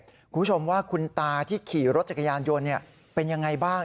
คุณผู้ชมว่าคุณตาที่ขี่รถจักรยานยนต์เป็นยังไงบ้าง